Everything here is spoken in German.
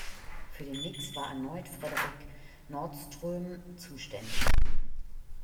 Für den Mix war erneut Fredrik Nordström zuständig.